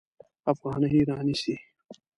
افغانۍ رانیسي.